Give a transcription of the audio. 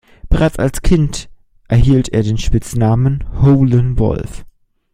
Bereits als Kind erhielt er den Spitznamen „Howlin’ Wolf“.